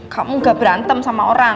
kamu gak berantem sama orang